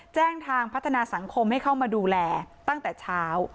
แจ้งทางพัฒนาสังคมให้เข้ามาดูแลตั้งแต่เช้า